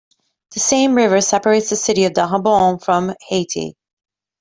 The same river separates the city of Dajabon from Haiti.